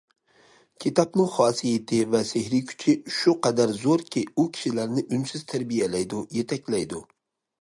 كىتابنىڭ خاسىيىتى ۋە سېھرىي كۈچى شۇ قەدەر زوركى، ئۇ كىشىلەرنى ئۈنسىز تەربىيەلەيدۇ، يېتەكلەيدۇ.